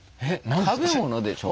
食べ物でしょ。